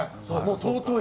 尊い。